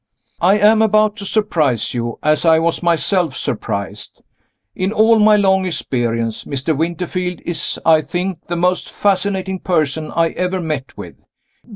I am about to surprise you, as I was myself surprised. In all my long experience, Mr. Winterfield is, I think, the most fascinating person I ever met with.